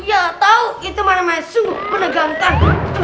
iya tau itu mana main sungguh penegangkan